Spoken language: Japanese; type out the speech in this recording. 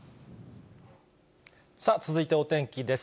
続いてお天気です。